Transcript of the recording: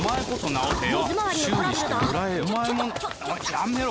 やめろ！